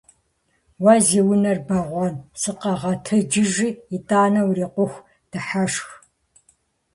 Уэ зи унэр бэгъуэн! Сыкъэгъэтэджыжи итӏанэ урикъуху дыхьэшх!